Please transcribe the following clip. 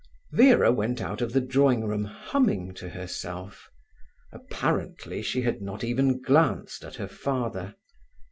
Vera went out of the drawing room humming to herself. Apparently she had not even glanced at her father.